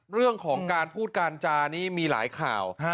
เรื่องของการพูดการจานี้มีหลายข่าว